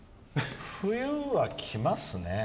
冬はきますね。